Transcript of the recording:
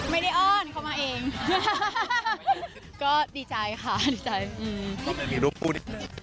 ไม่ได้อ้อนเขามาเองก็ดีใจค่ะดีใจอืม